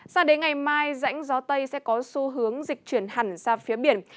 sao đến ngày mai rãnh gió tây sẽ có xu hướng dịch chuyển hẳn sang phía biển